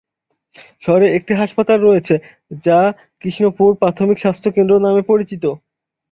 শহরে একটি হাসপাতাল রয়েছে, যা কৃষ্ণপুর প্রাথমিক স্বাস্থ্য কেন্দ্র নামে পরিচিত।